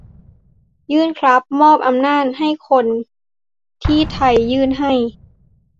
ยื่นครับ มอบอำนาจให้คนที่ไทยยื่นให้